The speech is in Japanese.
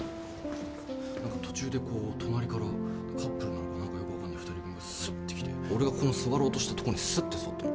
何か途中でこう隣からカップルなのかよく分かんない２人組がスッて来て俺が座ろうとしたとこにスッて座ったの。